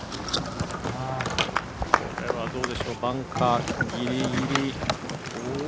これはどうでしょうバンカーぎりぎり。